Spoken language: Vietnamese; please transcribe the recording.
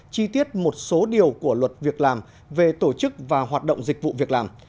chi tiết một số điều của luật việc làm về tổ chức và hoạt động dịch vụ việc làm